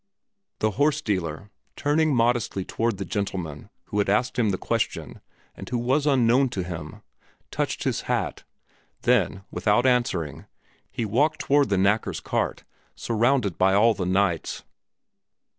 The horse dealer, turning modestly toward the gentleman who had asked him the question and who was unknown to him, touched his hat; then, without answering, he walked toward the knacker's cart, surrounded by all the knights.